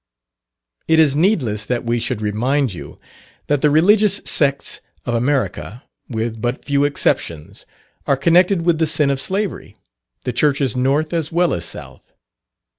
It is needless that we should remind you that the religious sects of America, with but few exceptions, are connected with the sin of slavery the churches North as well as South.